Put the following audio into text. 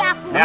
paket di aku